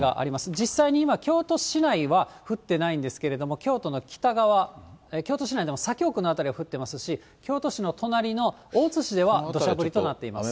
実際に今、京都市内は降ってないんですけれども、京都の北側、京都市内でも左京区の辺りは降っていますし、京都市の隣の大津市では、どしゃ降りとなっています。